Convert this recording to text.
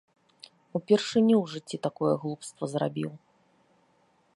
Упершыню ў жыцці такое глупства зрабіў.